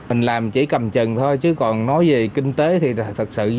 mình làm chỉ cầm chừng thôi chứ còn nói về kinh tế thì thật sự